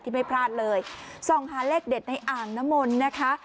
ที่ไม่พลาดเลยส่องหาเลขเด็ดในอ่างนมลนะคะ